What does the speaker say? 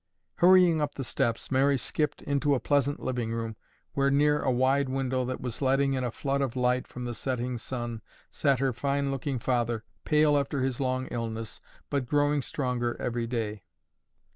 Hurrying up the steps, Mary skipped into a pleasant living room, where, near a wide window that was letting in a flood of light from the setting sun, sat her fine looking father, pale after his long illness, but growing stronger every day.